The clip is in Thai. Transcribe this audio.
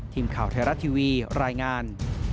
ทีมข่าวไทยรัฐทีวีรายงาน